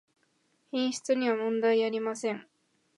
品質にはもんだいありません